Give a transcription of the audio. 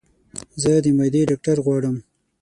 زه د معدي ډاکټر غواړم